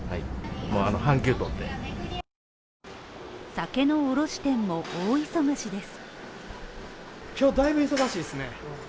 酒の卸店も大忙しです。